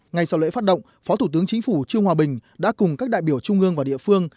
ngay sau lễ phát động phó thủ tướng chính phủ trương hòa bình đã cùng các đại biểu trung ương và địa phương